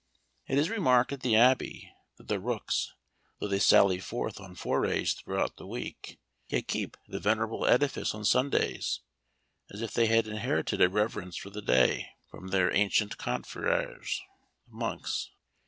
It is remarked at the Abbey, that the rooks, though they sally forth on forays throughout the week, yet keep about the venerable edifice on Sundays, as if they had inherited a reverence for the day, from their ancient confreres, the monks.